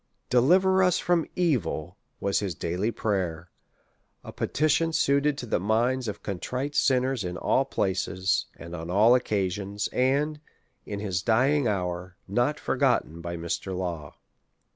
Deliver us from evil, was his daily prayer; a petition suited to the minds of contrite sinners in all places, and on all occasions; and, in his dying hour, not forgotten by Mr. Law.